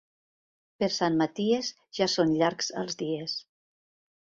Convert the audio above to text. Per Sant Maties ja són llargs els dies.